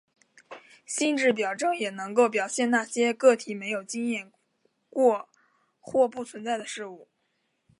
心智表征也能够表现那些个体没有经验过或不存在的事物。